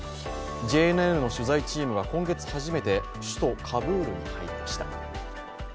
ＪＮＮの取材チームが今月初めて首都カブールに入りました。